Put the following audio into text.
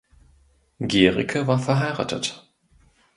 Gericke war verheiratet.